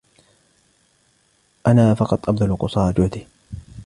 أنا فقط ابذل قصارى جهدي.